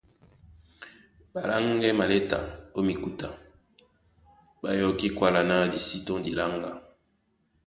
Ɓaláŋgɛ́ maléta ó mikuta ɓá yɔkí kwála ná di sí tɔ́ndi láŋga;